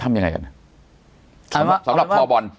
ทำยังไงกัน